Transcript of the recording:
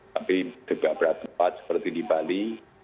tapi beberapa tempat seperti di bali